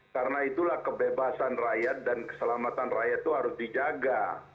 karena itulah kebebasan rakyat dan keselamatan rakyat itu harus dijaga